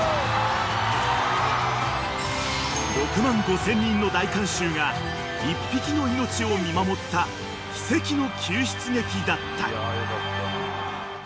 ［６万５，０００人の大観衆が１匹の命を見守った奇跡の救出劇だった］